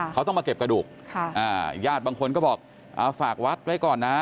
เขาต้องมาเก็บกระดูกญาติบางคนก็บอกฝากวัดไว้ก่อนนะ